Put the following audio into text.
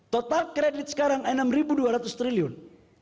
total kredit sekarang rp enam dua ratus triliun